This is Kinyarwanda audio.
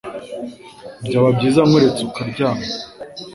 Byaba byiza nkuretse ukaryama